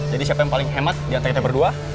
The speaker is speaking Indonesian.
jadi siapa yang paling hemat di antre kita berdua